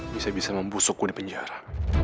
bisa bisa membusukku di penjara